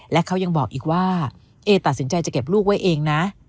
และเขายังบอกอีกว่าเอตัดสินใจจะเก็บลูกไว้เองนะ